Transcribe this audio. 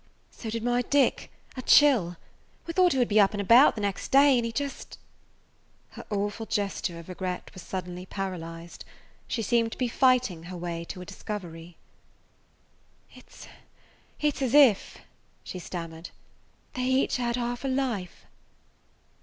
"So did my Dick–a chill. We thought he would be up and about the next day, and he just–" Her awful gesture of regret was suddenly paralyzed. She seemed to be fighting her way to a discovery. "It 's–it 's as if," she stammered, "they each had half a life."